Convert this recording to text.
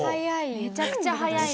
めちゃくちゃ速いですね。